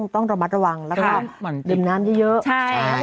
ต้องระมัดระวังดื่มน้ำเยอะ